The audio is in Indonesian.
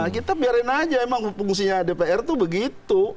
kita biarin aja emang fungsinya dpr itu begitu